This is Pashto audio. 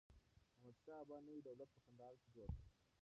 احمدشاه بابا نوی دولت په کندهار کي جوړ کړ.